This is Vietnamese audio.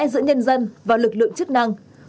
giữa nhân dân và lực lượng chức năng